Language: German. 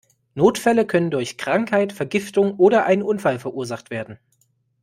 Notfälle können durch Krankheit, Vergiftung oder einen Unfall verursacht werden.